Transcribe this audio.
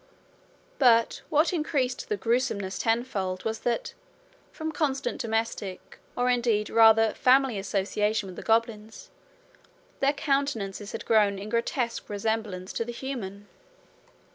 But what increased the gruesomeness tenfold was that, from constant domestic, or indeed rather family association with the goblins, their countenances had grown in grotesque resemblance to the human.